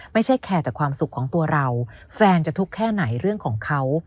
ไม่ใช่แคร์แต่ความสุขของตัวเราแฟนจะทุกข์แค่ไหนเรื่องของเขา